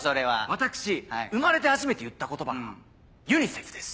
私生まれて初めて言った言葉が「ユニセフ」です。